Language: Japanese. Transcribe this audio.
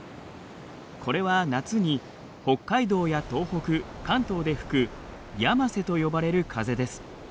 これは夏に北海道や東北関東で吹くやませと呼ばれる風です。